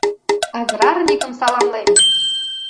— Аграрникым саламлем!